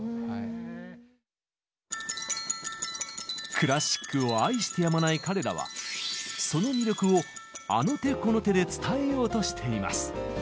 クラシックを愛してやまない彼らはその魅力をあの手この手で伝えようとしています。